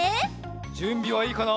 じゅんびはいいかな？